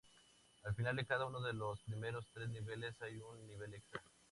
Al final de cada uno de los primeros tres niveles hay un nivel extra.